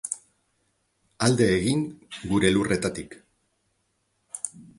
Alde egin gure lurretatik.